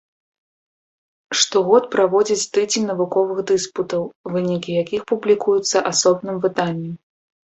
Штогод праводзіць тыдзень навуковых дыспутаў, вынікі якіх публікуюцца асобным выданнем.